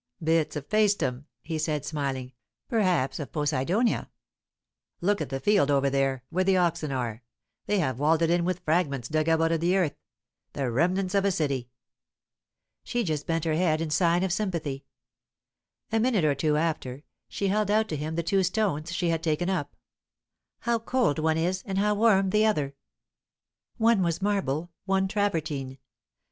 "Bits of Paestum," he said, smiling; "perhaps of Poseidonia. Look at the field over there, where the oxen are; they have walled it in with fragments dug up out of the earth, the remnants of a city." She just bent her head, in sign of sympathy. A minute or two after, she held out to him the two stones she had taken up. "How cold one is, and how warm the other!" One was marble, one travertine.